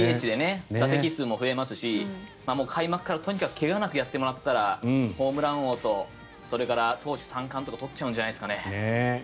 ＤＨで打席数も増えますし開幕からとにかく怪我なくやってくれたらホームラン王とそれから投手三冠とか取っちゃうんじゃないですかね。